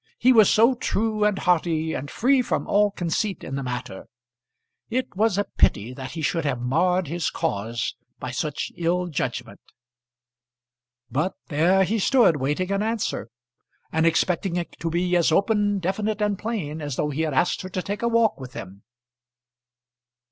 He was so true and hearty, and free from all conceit in the matter! It was a pity that he should have marred his cause by such ill judgment. But there he stood waiting an answer, and expecting it to be as open, definite, and plain as though he had asked her to take a walk with him.